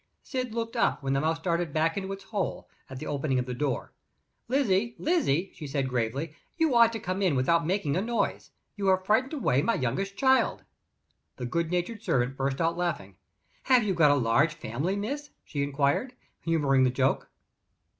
Syd looked up when the mouse darted back into its hole, on the opening of the door. "Lizzie! Lizzie!" she said, gravely, "you ought to have come in without making a noise. You have frightened away my youngest child." The good natured servant burst out laughing. "Have you got a large family, miss?" she inquired, humoring the joke.